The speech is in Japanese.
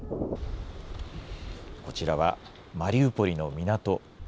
こちらは、マリウポリの港。